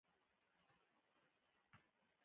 ښځې او نارینه به ترې راښکته شول.